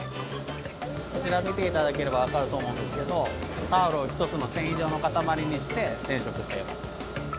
こちら、見ていただければわかると思うんですけどタオルを１つの繊維状の塊にして染色しています。